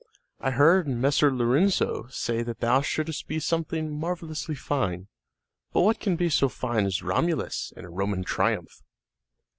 "I heard Messer Lorenzo say that thou shouldst be something marvelously fine; but what can be so fine as Romulus in a Roman triumph?"